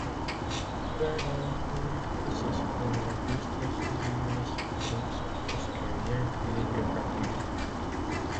Il a remporté six fois la plus prestigieuse course australienne, les de Bathurst.